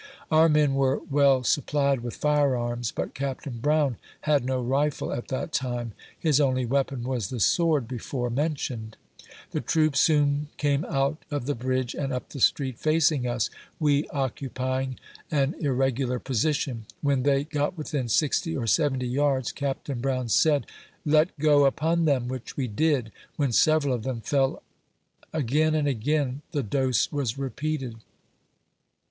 Our men were well sup plied with firearms, but Capt. Brown had no rifle at that time; his only weapon was the sword before mentioned. The troops soon came out of the bridge, and up the street facing us, we occupying au irregular position. When they got within sixty or seventy yards, Capt. Brown said, " Let go upon them !" which we did, when several of them fell Again and again the dose was repeated.